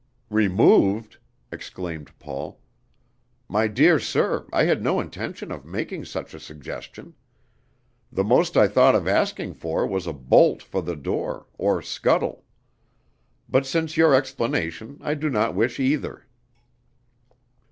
"Removed?" exclaimed Paul. "My dear sir, I had no intention of making such a suggestion. The most I thought of asking for was a bolt for the door, or scuttle; but since your explanation I do not wish either."